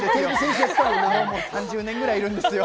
３０年ぐらいいるんですよ。